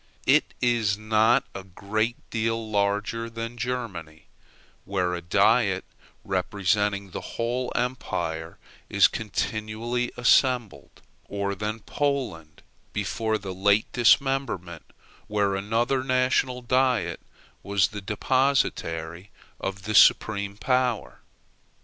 It is not a great deal larger than Germany, where a diet representing the whole empire is continually assembled; or than Poland before the late dismemberment, where another national diet was the depositary of the supreme power.